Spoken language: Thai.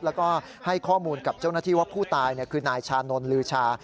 แล้วก็ให้ข้อมูลกับเจ้าหน้าที่ว่าผู้ตายคือนายชานนทลือชา